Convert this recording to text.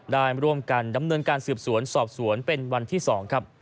ได้ร่วมกันดำเนินการสืบสวนสอบสวนเป็นวันที่๒ครับ